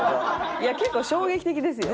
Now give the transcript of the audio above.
いや結構衝撃的ですよ。